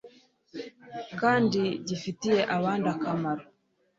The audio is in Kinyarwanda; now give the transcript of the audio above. kandi gifitiye abandi akamaro